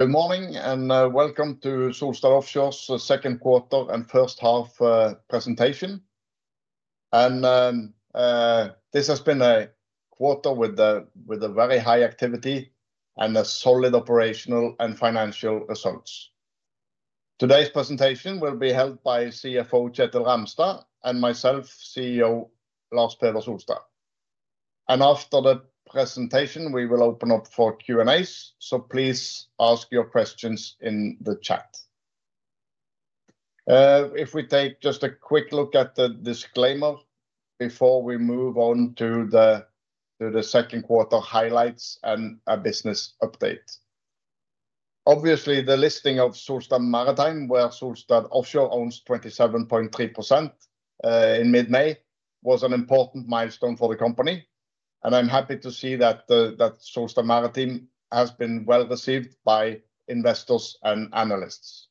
Good morning and welcome to Solstad Offshore's second quarter and first half presentation. This has been a quarter with very high activity and solid operational and financial results. Today's presentation will be held by CFO Kjetil Ramstad and myself, CEO Lars Peder Solstad. After the presentation, we will open up for Q&A, so please ask your questions in the chat. If we take just a quick look at the disclaimer before we move on to the second quarter highlights and a business update. Obviously, the listing of Solstad Maritime, where Solstad Offshore owns 27.3% in mid-May, was an important milestone for the company, and I'm happy to see that Solstad Maritime has been well received by investors and analysts.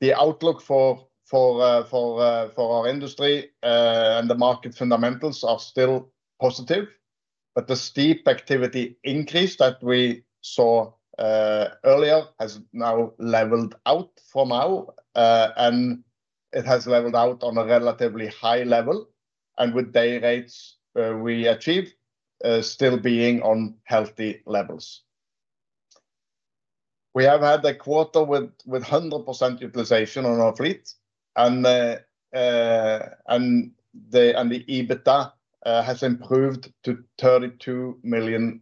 The outlook for our industry and the market fundamentals are still positive, but the steep activity increase that we saw earlier has now leveled out for now, and it has leveled out on a relatively high level, with day rates we achieve still being on healthy levels. We have had a quarter with 100% utilization on our fleet, and the EBITDA has improved to $32 million.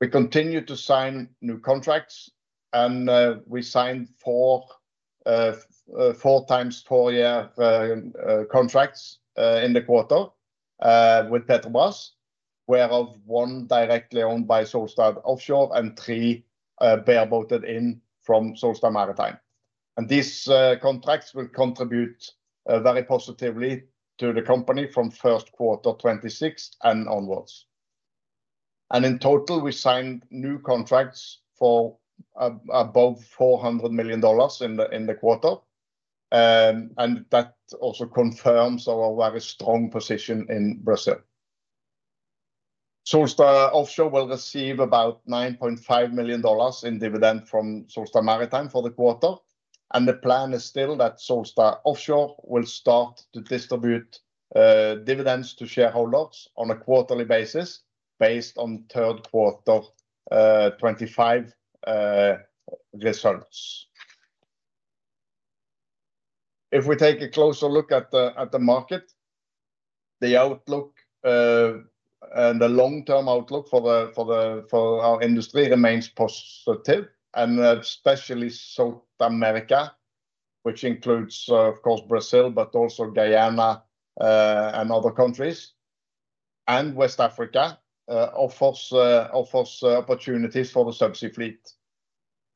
We continue to sign new contracts, and we signed four times four-year contracts in the quarter with Petrobras, where one is directly owned by Solstad Offshore and three bearboated in from Solstad Maritime. These contracts will contribute very positively to the company from first quarter 2026 and onwards. In total, we signed new contracts for above $400 million in the quarter, and that also confirms our very strong position in Brazil. Solstad Offshore will receive about $9.5 million in dividend from Solstad Maritime for the quarter, and the plan is still that Solstad Offshore will start to distribute dividends to shareholders on a quarterly basis based on third quarter 2025 results. If we take a closer look at the market, the outlook and the long-term outlook for our industry remains positive, and especially South America, which includes, of course, Brazil, but also Guyana and other countries, and West Africa offers opportunities for the subsea fleet.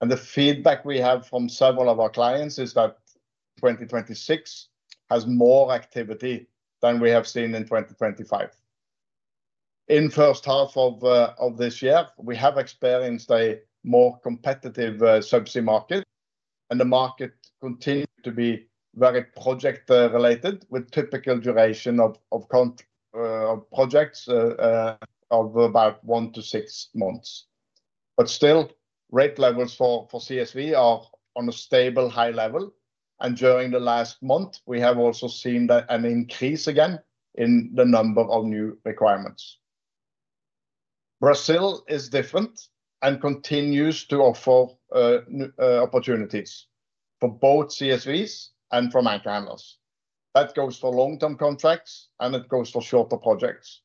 The feedback we have from several of our clients is that 2026 has more activity than we have seen in 2025. In the first half of this year, we have experienced a more competitive subsea market, and the market continues to be very project-related, with a typical duration of projects of about one to six months. Still, rate levels for CSV are on a stable high level, and during the last month, we have also seen an increase again in the number of new requirements. Brazil is different and continues to offer opportunities for both CSVs and for anchor handlers. That goes for long-term contracts, and it goes for shorter projects.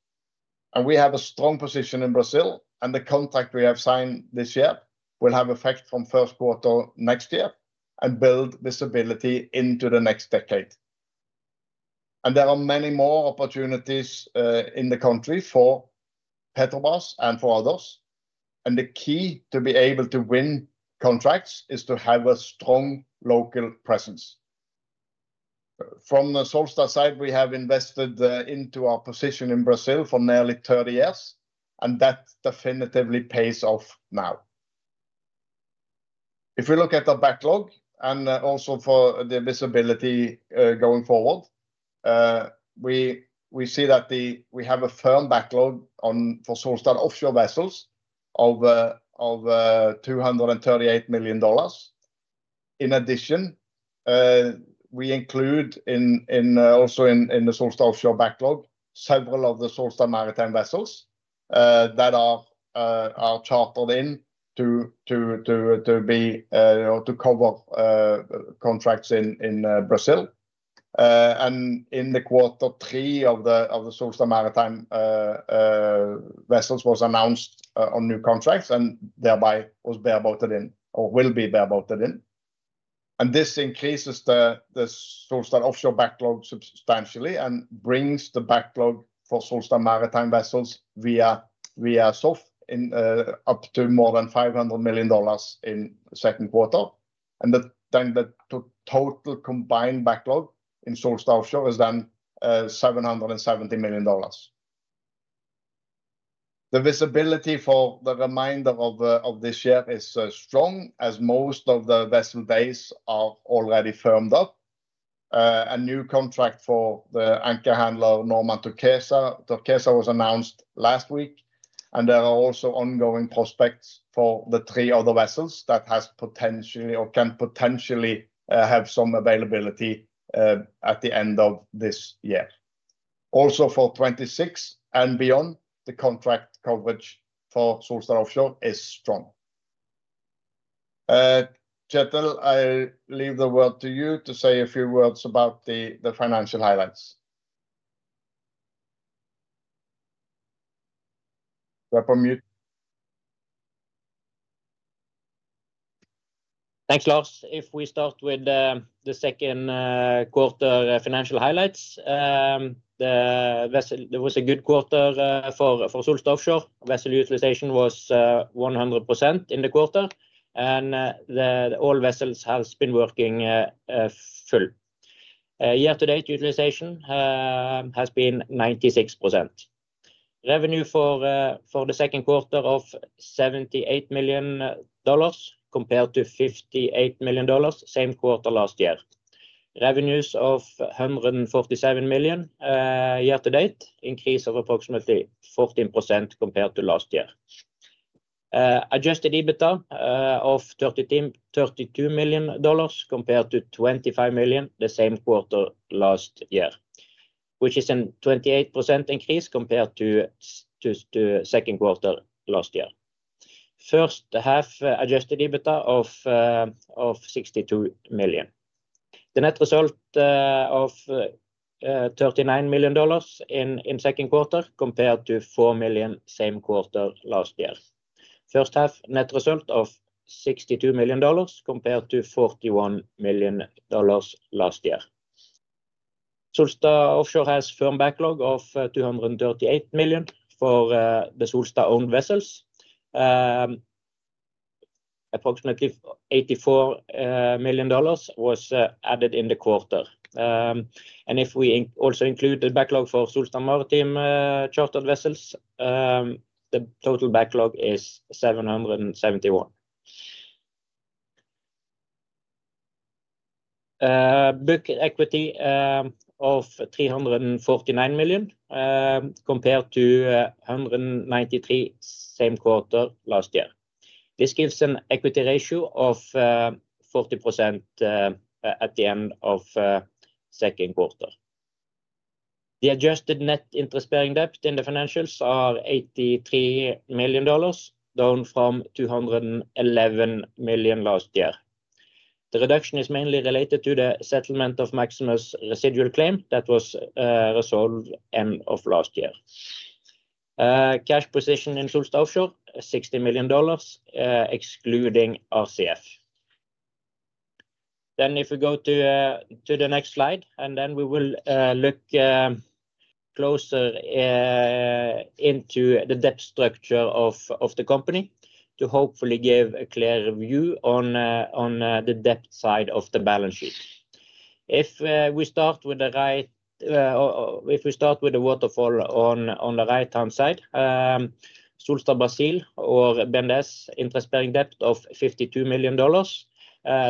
We have a strong position in Brazil, and the contract we have signed this year will have effect from first quarter next year and build visibility into the next decade. There are many more opportunities in the country for Petrobras and for others. The key to be able to win contracts is to have a strong local presence. From the Solstad side, we have invested into our position in Brazil for nearly 30 years, and that definitively pays off now. If we look at the backlog and also for the visibility going forward, we see that we have a firm backlog for Solstad Offshore vessels of $238 million. In addition, we include also in the Solstad Offshore backlog several of the Solstad Maritime vessels that are chartered in to cover contracts in Brazil. In the third quarter, one of the Solstad Maritime vessels was announced on new contracts and thereby was bearboated in or will be bearboated in. This increases the Solstad Offshore backlog substantially and brings the backlog for Solstad Maritime vessels via SOF up to more than $500 million in the second quarter. The total combined backlog in Solstad Offshore is then $770 million. The visibility for the remainder of this year is strong as most of the vessel base are already firmed up. A new contract for the anchor handler Normand Turquesa was announced last week, and there are also ongoing prospects for the three other vessels that can potentially have some availability at the end of this year. Also, for 2026 and beyond, the contract coverage for Solstad Offshore is strong. Kjetil, I leave the word to you to say a few words about the financial highlights. We're on mute. Thanks, Lars. If we start with the second quarter financial highlights, there was a good quarter for Solstad Offshore. Vessel utilization was 100% in the quarter, and all vessels have been working full. Year-to-date utilization has been 96%. Revenue for the second quarter of $78 million compared to $58 million same quarter last year. Revenues of $147 million year to date, increased of approximately 14% compared to last year. Adjusted EBITDA of $32 million compared to $25 million the same quarter last year, which is a 28% increase compared to the second quarter last year. First half adjusted EBITDA of $62 million. The net result of $39 million in the second quarter compared to $4 million same quarter last year. First half net result of $62 million compared to $41 million last year. Solstad Offshore has a firm backlog of $238 million for the Solstad-owned vessels. Approximately $84 million was added in the quarter. If we also include the backlog for Solstad Maritime chartered vessels, the total backlog is $771 million. Book equity of $349 million compared to $193 million same quarter last year. This gives an equity ratio of 40% at the end of the second quarter. The adjusted net interest-bearing debt in the financials are $83 million, down from $211 million last year. The reduction is mainly related to the settlement of Maximus residual claim that was resolved end of last year. Cash position in Solstad Offshore is $60 million, excluding RCF. If we go to the next slide, we will look closer into the debt structure of the company to hopefully give a clear view on the debt side of the balance sheet. If we start with the waterfall on the right-hand side, Solstad Brazil or BNDES interest-bearing debt of $52 million.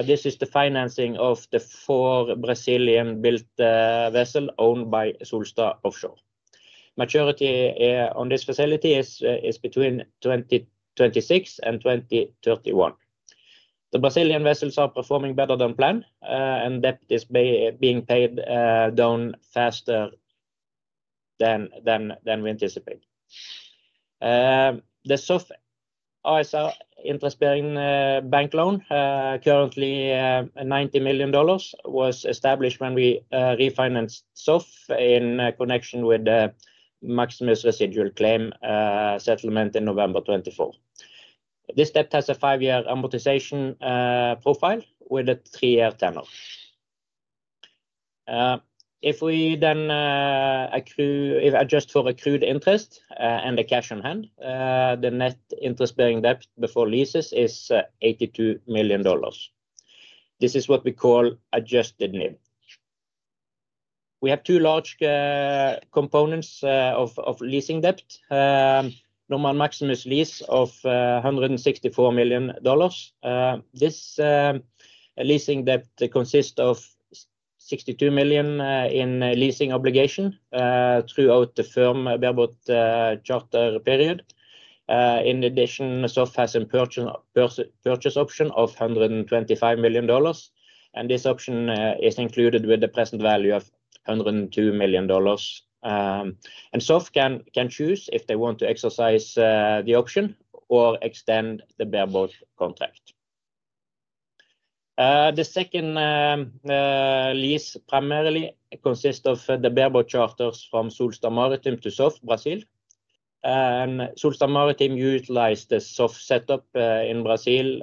This is the financing of the four Brazilian-built vessels owned by Solstad Offshore. Maturity on this facility is between 2026 and 2031. The Brazilian vessels are performing better than planned, and debt is being paid down faster than we anticipate. The SOF ISR interest-bearing bank loan, currently $90 million, was established when we refinanced SOF in connection with the Maximus residual claim settlement in November 2024. This debt has a five-year amortization profile with a three-year tenor. If we then adjust for accrued interest and the cash on hand, the net interest-bearing debt before leases is $82 million. This is what we call adjusted NIM. We have two large components of leasing debt. Normand Maximus lease of $164 million. This leasing debt consists of $62 million in leasing obligation throughout the firm bearboated charter period. In addition, SOF has a purchase option of $125 million, and this option is included with the present value of $102 million. SOF can choose if they want to exercise the option or extend the bearboated contract. The second lease primarily consists of the bearboated charters from Solstad Maritime to SOF Brazil. Solstad Maritime utilized the SOF setup in Brazil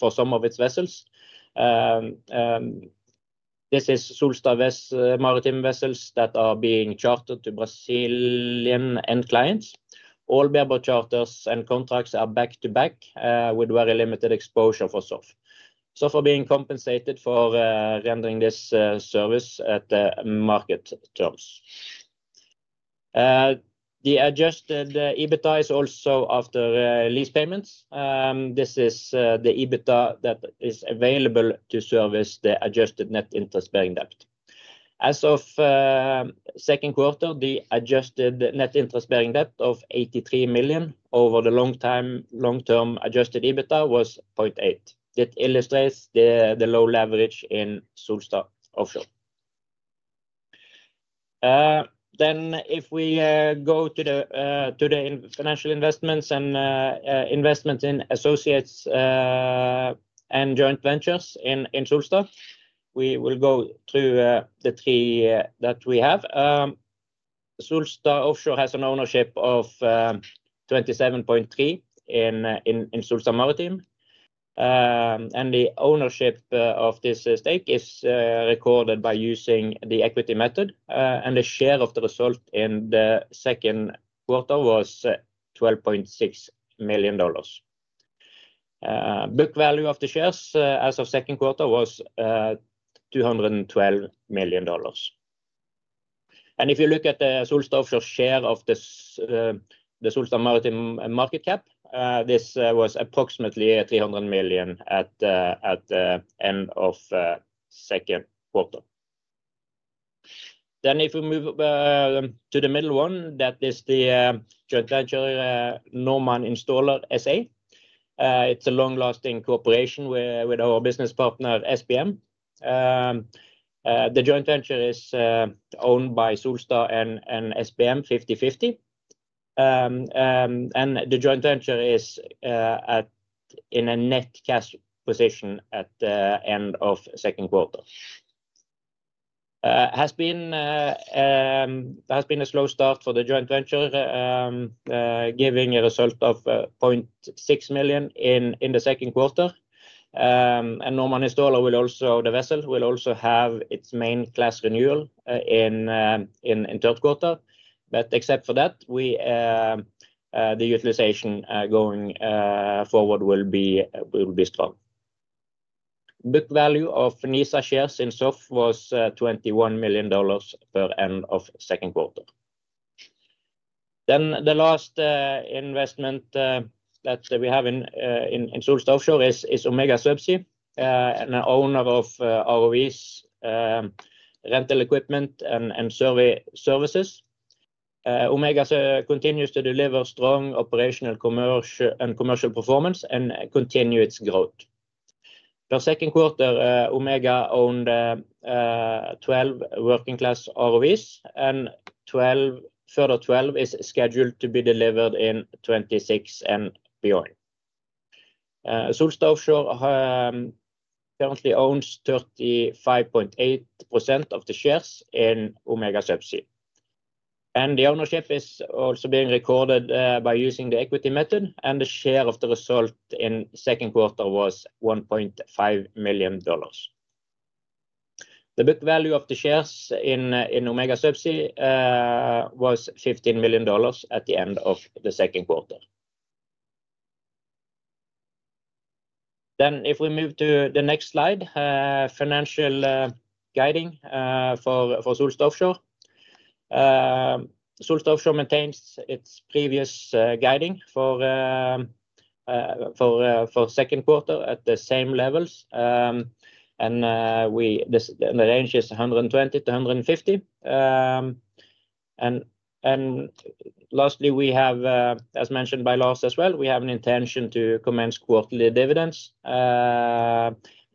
for some of its vessels. This is Solstad Maritime vessels that are being chartered to Brazilian end clients. All bearboated charters and contracts are back-to-back with very limited exposure for SOF. SOF are being compensated for rendering this service at market terms. The adjusted EBITDA is also after lease payments. This is the EBITDA that is available to service the adjusted net interest-bearing debt. As of the second quarter, the adjusted net interest-bearing debt of $83 million over the long-term adjusted EBITDA was 0.8. That illustrates the low leverage in Solstad Offshore. If we go to the financial investments and investments in associates and joint ventures in Solstad, we will go through the three that we have. Solstad Offshore has an ownership of 27.3% in Solstad Maritime, and the ownership of this stake is recorded by using the equity method, and the share of the result in the second quarter was $12.6 million. Book value of the shares as of the second quarter was $212 million. If you look at the Solstad Offshore share of the Solstad Maritime market cap, this was approximately $300 million at the end of the second quarter. If we move to the middle one, that is the joint venture Normand Installer SA. It's a long-lasting cooperation with our business partner SBM Offshore. The joint venture is owned by Solstad and SBM Offshore 50/50, and the joint venture is in a net cash position at the end of the second quarter. There has been a slow start for the joint venture, giving a result of $0.6 million in the second quarter. Normand Installer will also, the vessel, will also have its main class renewal in third quarter. Except for that, the utilization going forward will be strong. Book value of NISA shares in SOF was $21 million per end of the second quarter. The last investment that we have in Solstad Offshore is Omega Subsea, an owner of ROVs, rental equipment, and survey services. Omega continues to deliver strong operational and commercial performance and continue its growth. Per second quarter, Omega owned 12 working-class ROVs, and further 12 is scheduled to be delivered in 2026 and beyond. Solstad Offshore currently owns 35.8% of the shares in Omega Subsea. The ownership is also being recorded by using the equity method, and the share of the result in the second quarter was $1.5 million. The book value of the shares in Omega Subsea was $15 million at the end of the second quarter. If we move to the next slide, financial guiding for Solstad Offshore, Solstad Offshore maintains its previous guiding for second quarter at the same levels, and the range is $120 million-$150 million. Lastly, as mentioned by Lars as well, we have an intention to commence quarterly dividends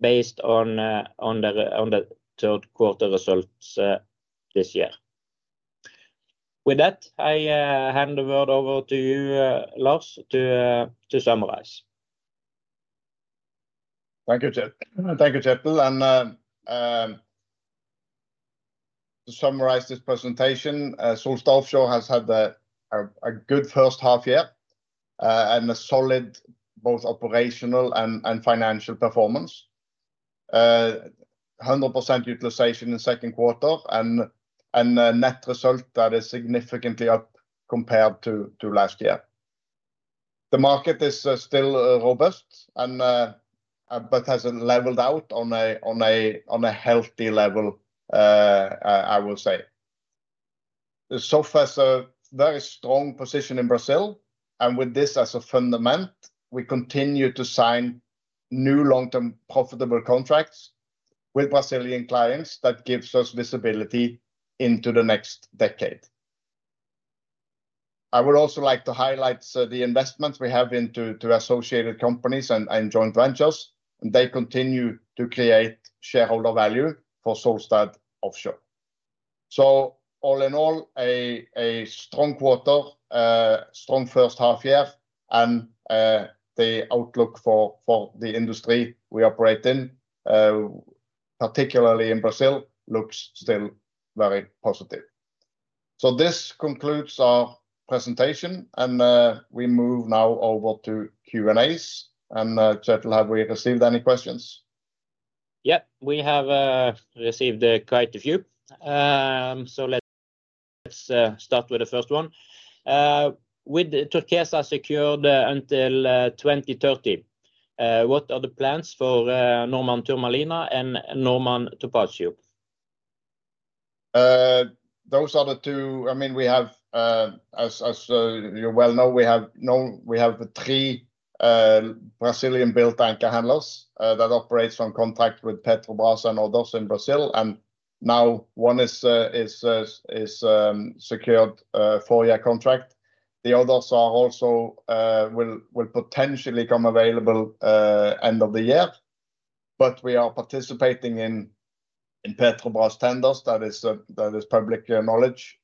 based on the third quarter results this year. With that, I hand the word over to you, Lars, to summarize. Thank you, Kjetil. To summarize this presentation, Solstad Offshore has had a good first half year and a solid both operational and financial performance. 100% utilization in the second quarter and a net result that is significantly up compared to last year. The market is still robust, but has leveled out on a healthy level, I will say. Solstad Offshore has a very strong position in Brazil, and with this as a fundament, we continue to sign new long-term profitable contracts with Brazilian clients that gives us visibility into the next decade. I would also like to highlight the investments we have into associated companies and joint ventures, and they continue to create shareholder value for Solstad Offshore. All in all, a strong quarter, strong first half year, and the outlook for the industry we operate in, particularly in Brazil, looks still very positive. This concludes our presentation, and we move now over to Q&As. Kjetil, have we received any questions? Yeah, we have received quite a few. Let's start with the first one. With Turquesa secured until 2030, what are the plans for Normand Turmalina and Normand Topaz Tube? Those are the two. I mean, we have, as you well know, we have three Brazilian-built anchor handlers that operate from contract with Petrobras and others in Brazil. Now one is secured four-year contract. The others will potentially become available end of the year. We are participating in Petrobras tenders; that is public knowledge.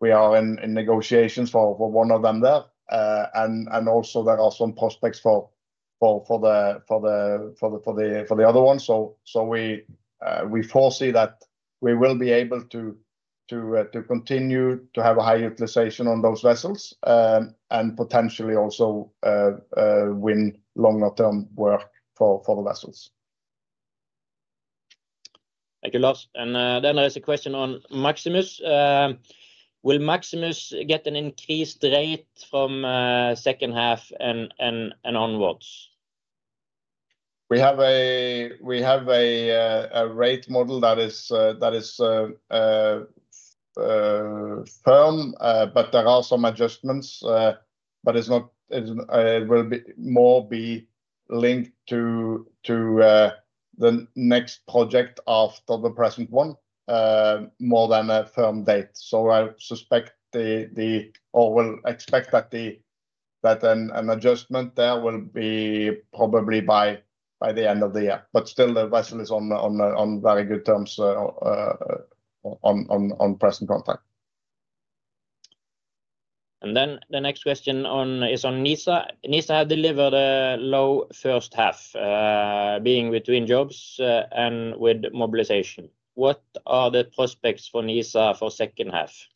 We are in negotiations for one of them there. There are some prospects for the other one. We foresee that we will be able to continue to have a high utilization on those vessels and potentially also win longer-term work for the vessels. Thank you, Lars. There is a question on Normand Maximus. Will Normand Maximus get an increased rate from the second half and onwards? We have a rate model that is firm, but there are some adjustments. It will more be linked to the next project after the present one, more than a firm date. I expect that an adjustment there will be probably by the end of the year. The vessel is on very good terms on present contract. The next question is on NISA. NISA had delivered a low first half, being between jobs and with mobilisation. What are the prospects for NISA for the second half?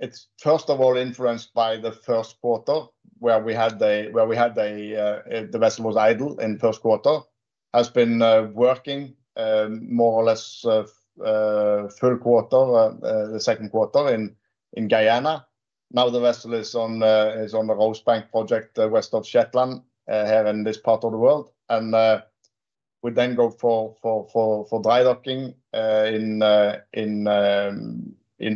It's first of all influenced by the first quarter, where we had the vessel was idle in the first quarter, has been working more or less full quarter, the second quarter in Guyana. Now the vessel is on the Rosebank project west of Shetland here in this part of the world. We then go for dry docking in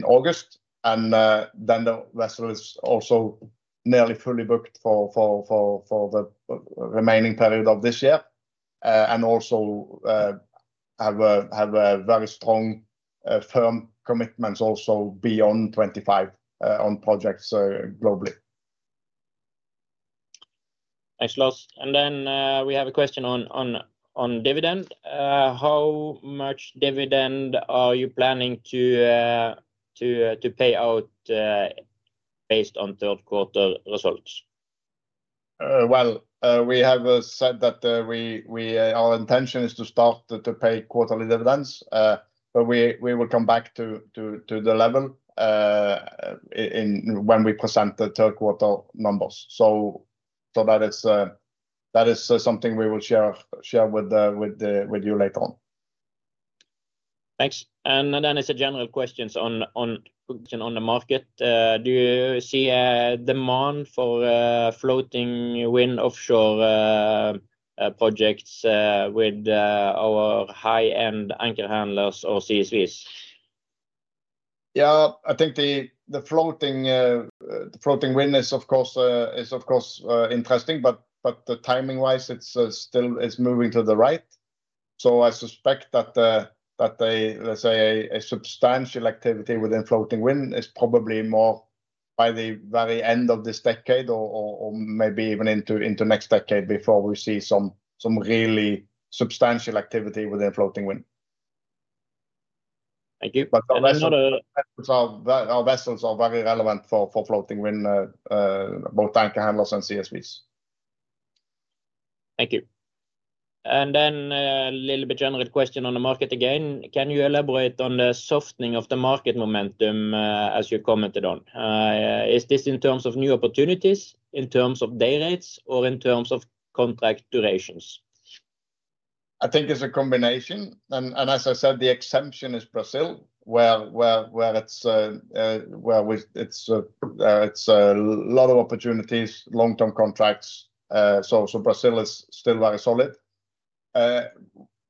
August. The vessel is also nearly fully booked for the remaining period of this year and also have very strong firm commitments also beyond 2025 on projects globally. Thanks, Lars. We have a question on dividend. How much dividend are you planning to pay out based on third quarter results? Our intention is to start to pay quarterly dividends, but we will come back to the level when we present the third quarter numbers. That is something we will share with you later on. Thanks. It's a general question on the market. Do you see a demand for floating wind offshore projects with our high-end anchor handlers or CSVs? Yeah, I think the floating wind is, of course, interesting, but timing-wise, it's still moving to the right. I suspect that, let's say, a substantial activity within floating wind is probably more by the very end of this decade or maybe even into next decade before we see some really substantial activity within floating wind. Thank you. Our vessels are very relevant for floating wind, both anchor handlers and CSVs. Thank you. A little bit of a general question on the market again. Can you elaborate on the softening of the market momentum as you commented on? Is this in terms of new opportunities, in terms of day rates, or in terms of contract durations? I think it's a combination. As I said, the exception is Brazil, where it's a lot of opportunities, long-term contracts. Brazil is still very solid.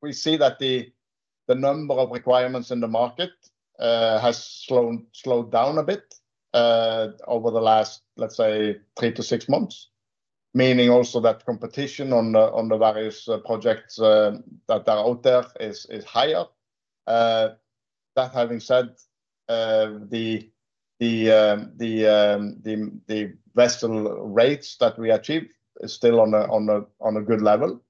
We see that the number of requirements in the market has slowed down a bit over the last, let's say, three to six months, meaning also that competition on the various projects that are out there is higher. That having said, the vessel rates that we achieve are still on a good level.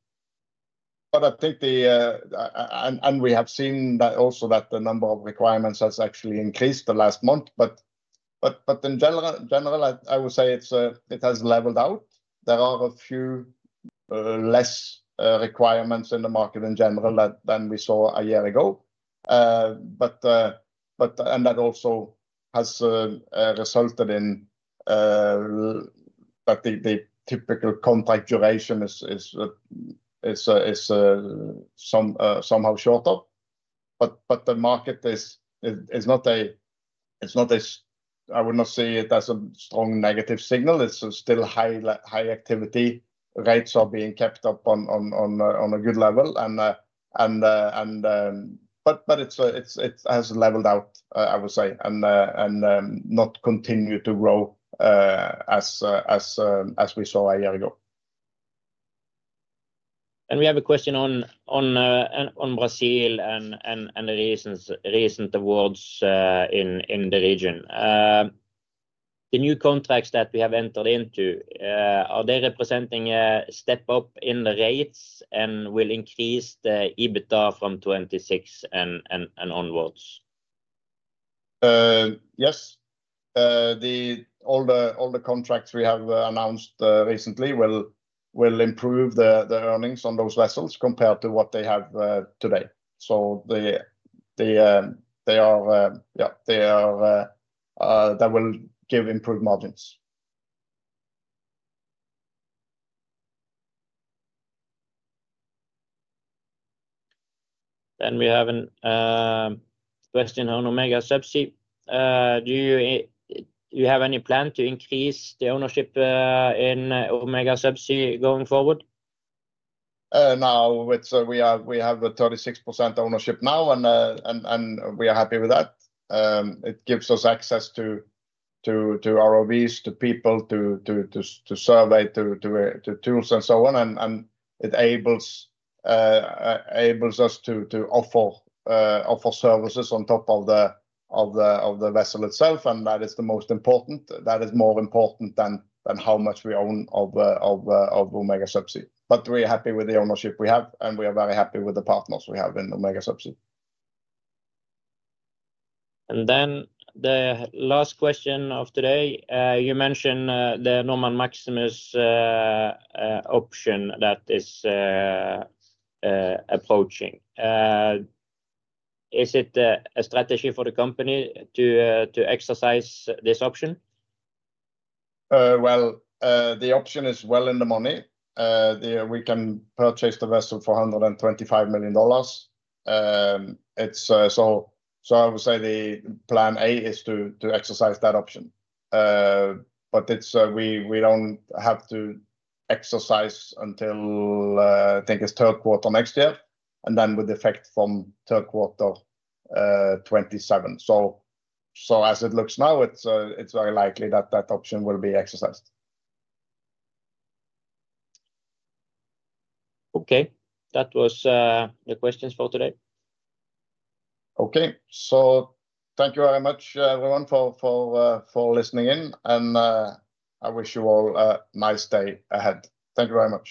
I think we have seen also that the number of requirements has actually increased the last month. In general, I would say it has leveled out. There are a few less requirements in the market in general than we saw a year ago. That also has resulted in that the typical contract duration is somehow shorter. The market is not a, I would not see it as a strong negative signal. It's still high activity. Rates are being kept up on a good level. It has leveled out, I would say, and not continued to grow as we saw a year ago. We have a question on Brazil and the recent awards in the region. The new contracts that we have entered into, are they representing a step up in the rates and will increase the EBITDA from 2026 and onwards? Yes. All the contracts we have announced recently will improve the earnings on those vessels compared to what they have today. They will give improved margins. We have a question on Omega Subsea. Do you have any plan to increase the ownership in Omega Subsea going forward? No. We have a 36% ownership now, and we are happy with that. It gives us access to ROVs, to people, to survey, to tools, and so on. It enables us to offer services on top of the vessel itself. That is the most important. That is more important than how much we own of Omega Subsea. We're happy with the ownership we have, and we are very happy with the partners we have in Omega Subsea. The last question of today. You mentioned the Normand Maximus option that is approaching. Is it a strategy for the company to exercise this option? The option is well in the money. We can purchase the vessel for $125 million. I would say the plan A is to exercise that option. We don't have to exercise until, I think, it's third quarter next year, and then with the effect from third quarter 2027. As it looks now, it's very likely that that option will be exercised. Okay, that was the questions for today. Thank you very much, everyone, for listening in. I wish you all a nice day ahead. Thank you very much.